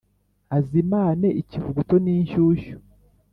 Azimane ikivuguto n’inshyushyu